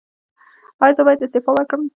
ایا زه باید استعفا ورکړم؟